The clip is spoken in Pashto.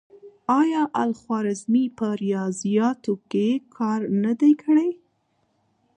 آیا الخوارزمي په ریاضیاتو کې کار نه دی کړی؟